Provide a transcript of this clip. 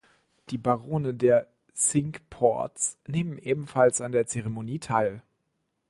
Die Barone der Cinque Ports nehmen ebenfalls an der Zeremonie teil.